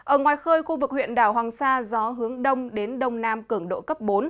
ở ngoài khơi khu vực huyện đảo hoàng sa gió hướng đông đến đông nam cường độ cấp bốn